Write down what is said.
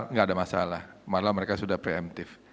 enggak ada masalah malah mereka sudah pre emptive